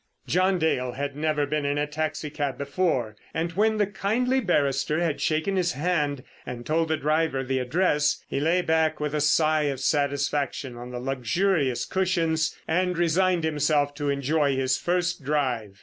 John Dale had never been in a taxi cab before, and when the kindly barrister had shaken his hand and told the driver the address, he lay back with a sigh of satisfaction on the luxurious cushions and resigned himself to enjoy his first drive.